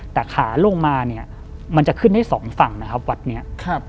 แต่ขาลงมาเนี่ยมันจะขึ้นได้สองฝั่งนะครับวัดนี้ครับ